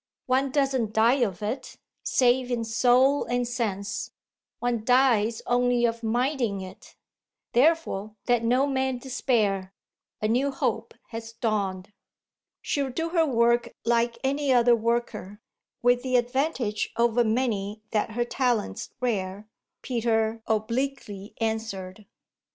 One doesn't die of it save in soul and sense: one dies only of minding it. Therefore let no man despair a new hope has dawned." "She'll do her work like any other worker, with the advantage over many that her talent's rare," Peter obliquely answered.